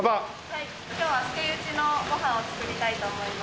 今日はセイウチのご飯を作りたいと思います。